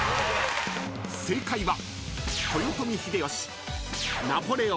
［正解は］